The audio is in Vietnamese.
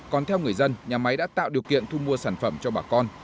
còn theo người dân nhà máy đã tạo điều kiện thu mua sản phẩm cho bà con